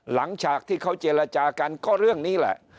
หลังจากที่เขาเจรจากันก็เรื่องนี้แหละ